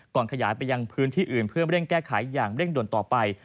ขยายไปยังพื้นที่อื่นเพื่อเร่งแก้ไขอย่างเร่งด่วนต่อไป